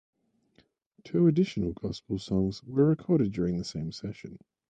Two additional gospel songs were recorded during the same session.